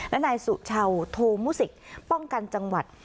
และนายสุชาวโทมุสิกป้องกันจังหวัด